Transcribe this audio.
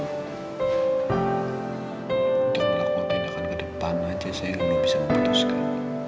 untuk melakukan tindakan ke depan saja saya belum bisa memutuskan